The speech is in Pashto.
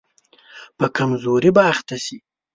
په کمزوري به اخته شي.